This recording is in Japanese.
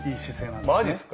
マジっすか⁉